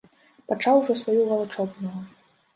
Пачаў ужо сваю валачобную!